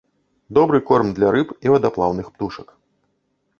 Добры корм для рыб і вадаплаўных птушак.